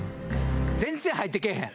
全然入ってけえへん。